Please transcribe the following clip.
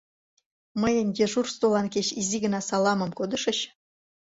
Мыйын дежурствылан кеч изи гына «саламым» кодышыч?